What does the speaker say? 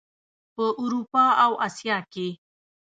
په اروپا او اسیا کې.